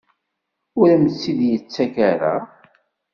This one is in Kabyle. Ur am-tt-id-yettak ara?